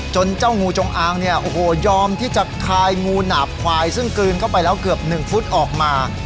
เจ้างูจงอางเนี่ยโอ้โหยอมที่จะคายงูหนาบควายซึ่งกลืนเข้าไปแล้วเกือบ๑ฟุตออกมา